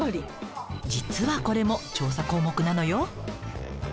実はこれも調査項目なのよ。